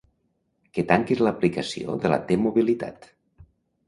Que tanquis l'aplicació de la T-mobilitat.